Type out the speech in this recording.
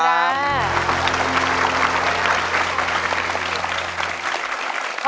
สวัสดีครับ